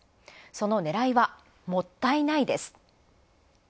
その狙いは、もったいないです。